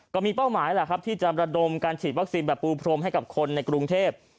ก็มีเป้าหมายแหละครับที่จะระดมการฉีดวัคซีนแบบปูพรมให้กับคนในกรุงเทพ